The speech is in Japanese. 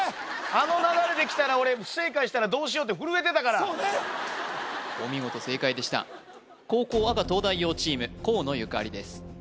あの流れできたら俺不正解したらどうしようって震えてたからそうねお見事正解でした後攻赤東大王チーム河野ゆかりです